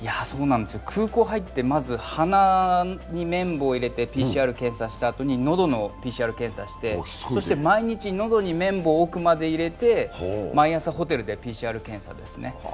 そうなんですよ、空港に入ってまず、鼻に麺棒入れてＰＣＲ検査をしたあとに喉のＰＣＲ検査をしてそして毎日、喉に綿棒を奥まで入れて、毎日ホテルでＰＣＲ検査ですね。